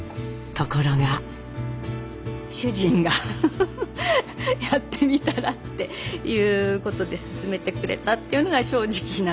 主人が「やってみたら」っていうことで勧めてくれたっていうのが正直なところですね。